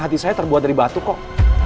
tapi kakak saya terbuat dari batu kok